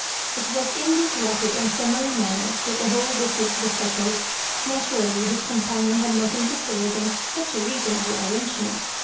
It was in this rapid and summary manner that the whole busi neas was settled. Naturally his companion had nothing to say against such a reasonable arrange ment.